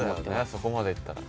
そこまでいったら。